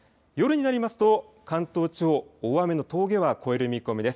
夜になりますと関東地方、大雨の峠は越える見込みです。